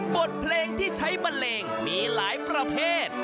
บทเพลงที่ใช้บันเลงมีหลายประเภท